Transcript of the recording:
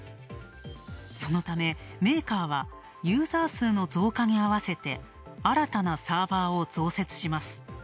そのため、メーカーはユーザー数の増加に合わせて、新たなサーバーを増設します。